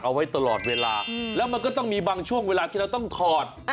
เอาไว้ตลอดเวลาแล้วมันก็ต้องมีบางช่วงเวลาที่เราต้องถอด